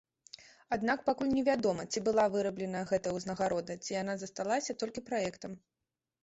Аднак пакуль не вядома, ці была вырабленая гэтая ўзнагарода, ці яна засталася толькі праектам.